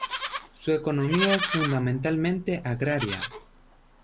Su economía es fundamentalmente agraria.